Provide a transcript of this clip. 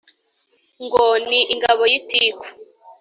ngo ni ingabo y' itiku